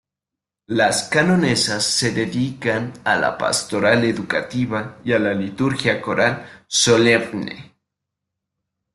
Las canonesas se dedican a la pastoral educativa y a la liturgia coral solemne.